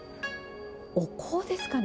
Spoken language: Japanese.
お香ですかね。